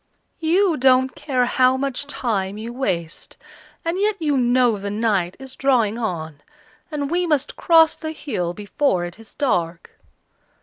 "You don't care how much time you waste, and yet you know the night is drawing on, and we must cross the hill before it is dark!"